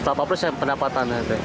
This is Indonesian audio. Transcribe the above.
berapa persen pendapatan